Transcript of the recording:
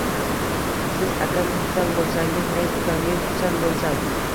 Siz akam Husan bo`lsangiz, men ukangiz Husan bo`lsam